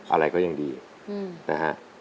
อะไรก็ยังดีนะฮะ